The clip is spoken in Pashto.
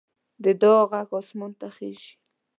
د دعا غږ اسمان ته خېژي